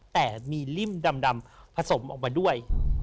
แต่มีริ่มดำผสมออกมาด้วย